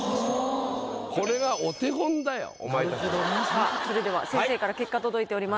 さあそれでは先生から結果届いております。